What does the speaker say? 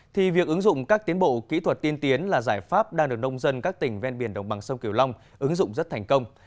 thì việc ứng dụng các tiến bộ kỹ thuật tiên tiến là giải pháp đang được nông dân các tỉnh ven biển đồng bằng sông kiều long ứng dụng rất thành công